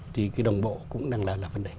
thì cái đồng bộ cũng đang là vấn đề